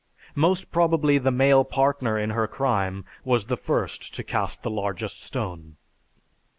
Most probably the male partner in her "crime" was the first to cast the largest stone.